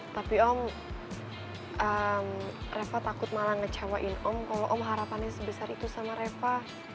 tapi om reva takut malah ngecewain om kalau om harapannya sebesar itu sama reva